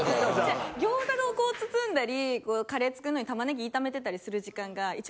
餃子をこう包んだりカレー作んのに玉ねぎ炒めてたりする時間が。